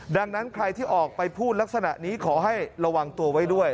ดังนั้นใครที่ออกไปพูดลักษณะนี้ขอให้ระวังตัวไว้ด้วย